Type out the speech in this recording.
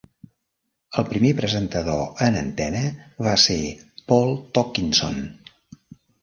El primer presentador en antena va ser Paul Tonkinson.